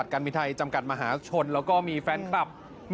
ขอบคุณคุณจังขออนุญาตกับทุกคนนะครับ